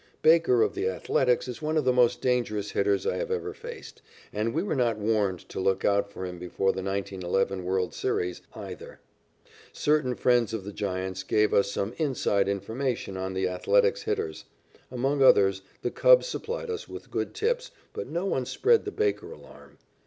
Baker, of the Athletics, is one of the most dangerous hitters I have ever faced, and we were not warned to look out for him before the 1911 world's series, either. Certain friends of the Giants gave us some "inside" information on the Athletics' hitters. Among others, the Cubs supplied us with good tips, but no one spread the Baker alarm.